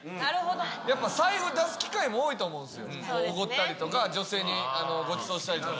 やっぱ財布出す機会も多いと思うんですよ、おごったりとか、女性にごちそうしたりとか。